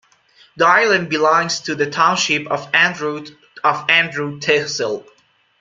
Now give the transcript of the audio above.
The island belongs to the township of Andrott of Andrott Tehsil.